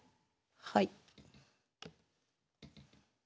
はい。